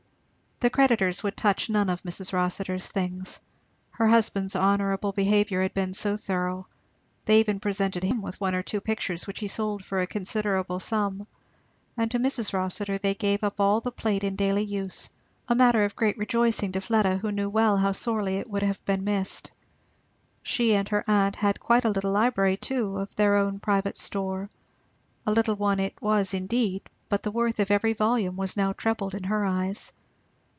The creditors would touch none of Mrs. Rossitur's things, her husband's honourable behaviour had been so thorough. They even presented him with one or two pictures which he sold for a considerable sum; and to Mrs. Rossitur they gave up all the plate in daily use; a matter of great rejoicing to Fleda who knew well how sorely it would have been missed. She and her aunt had quite a little library too, of their own private store; a little one it was indeed, but the worth of every volume was now trebled in her eyes.